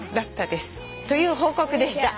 という報告でした。